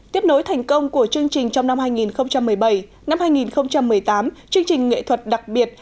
tiếp nối thành công của chương trình trong năm hai nghìn một mươi bảy hai nghìn một mươi tám chương trình nghệ thuật đặc biệt